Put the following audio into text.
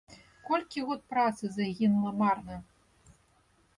Колькі год працы загінула марна!